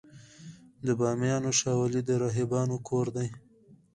د بامیانو شاولې د راهبانو کور و